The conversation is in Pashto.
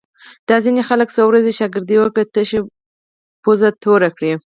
دا ځینې خلک څو ورځې شاگردي وکړي، تشه پوزه توره کړي